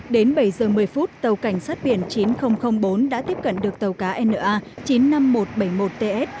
đến bảy giờ một mươi phút tàu cảnh sát biển chín nghìn bốn đã tiếp cận được tàu cá na chín mươi năm nghìn một trăm bảy mươi một ts